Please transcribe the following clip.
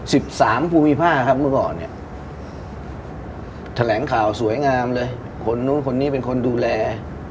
สิบสามภูมิภาคครับเมื่อก่อนเนี้ยแถลงข่าวสวยงามเลยคนนู้นคนนี้เป็นคนดูแล